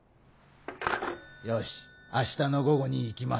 よし明日の午後に行きます。